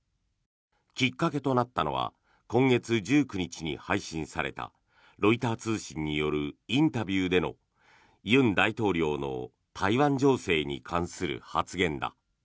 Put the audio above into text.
きっかけとなったのは今月１９日に配信されたロイター通信によるインタビューでの尹大統領の台湾情勢に関する発言だ。